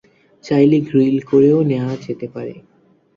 চাইলে গ্রিল করেও নেওয়া যেতে পারে।